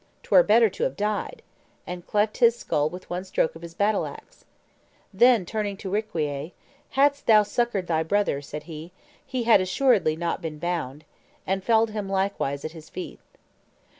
"Twere better to have died;" and cleft his skull with one stroke of his battle axe. Then turning to Riquier, "Hadst thou succored thy brother," said he, "he had assuredly not been bound;" and felled him likewise at his feet.